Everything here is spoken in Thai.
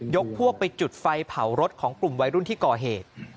พวกไปจุดไฟเผารถของกลุ่มวัยรุ่นที่ก่อเหตุ